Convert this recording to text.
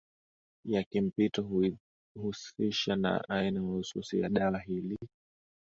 ya kimpito huihusisha na aina mahususi ya dawa ili